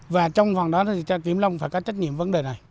và trong phần đó thì kiểm lâm phải có trách nhiệm vấn đề này